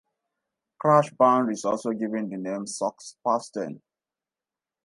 Crash's band is also given the name "Socks Pastels".